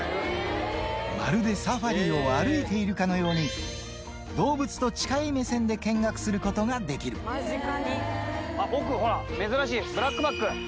まるでサファリを歩いているかのように、動物と近い目線で見あっ、奥、ほら、珍しい、ブラックバック。